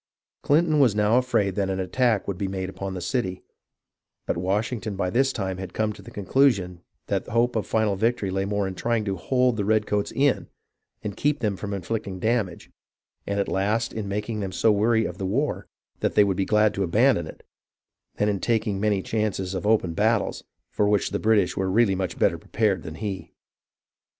Clinton was now afraid that an attack would be made upon the city ; but Washington had by this time come to the conclusion that hope of final victory lay more in trying to hold the redcoats in and keep them from inflict ing damage, and at last in making them so weary of the war that they would be glad to abandon it, than in tak ing many chances of open battles, for which the British were really much better prepared than he.